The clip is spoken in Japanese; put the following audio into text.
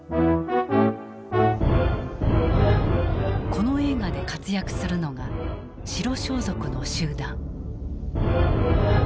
この映画で活躍するのが白装束の集団。